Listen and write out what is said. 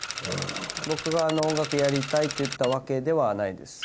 僕が音楽やりたいって言ったわけではないです。